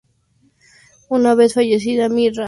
Una vez fallecida Mirra, Tías se suicidó.